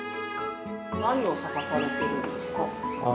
何を探されているんですか？